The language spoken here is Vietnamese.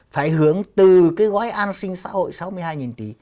phải hưởng từ cái gói an sinh xã hội sáu mươi hai tỷ